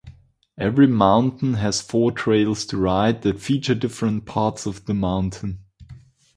Every mountain has four trails to ride that feature different parts of the mountain.